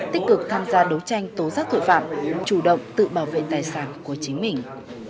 tích cực tham gia đấu tranh tố giác tội phạm chủ động tự bảo vệ tài sản của chính mình